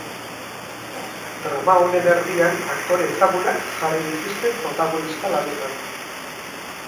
Drama honen erdian aktore ezagunak jarri dituzte protagonista lanetan.